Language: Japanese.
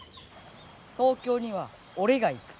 東京には俺が行く。